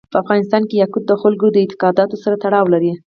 په افغانستان کې یاقوت د خلکو د اعتقاداتو سره تړاو لري.